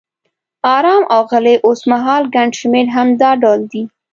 آرام او غلی، اوسمهال ګڼ شمېر هم دا ډول دي.